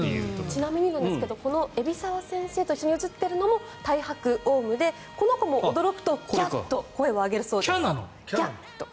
ちなみになんですが海老沢先生と一緒に写っているのもタイハクオウムでこの子も驚くとギャッ！と声を上げるそうです。